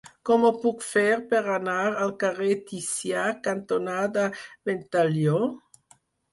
Com ho puc fer per anar al carrer Ticià cantonada Ventalló?